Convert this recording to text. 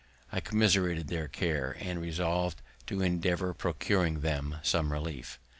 I commiserated their case, and resolved to endeavour procuring them some relief.